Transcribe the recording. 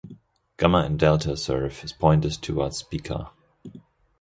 Gamma and Delta serve as pointers toward Spica.